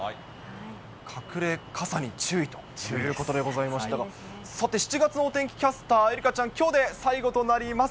隠れ傘に注意ということでございましたが、さて、７月のお天気キャスター、愛花ちゃん、きょうで最後となります。